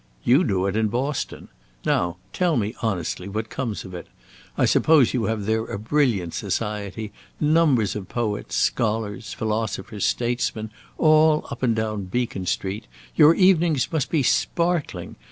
You do it in Boston. Now tell me honestly what comes of it. I suppose you have there a brilliant society; numbers of poets, scholars, philosophers, statesmen, all up and down Beacon Street. Your evenings must be sparkling.